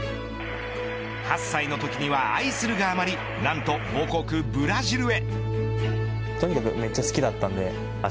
８歳のときには愛するがあまりなんと母国ブラジルへ。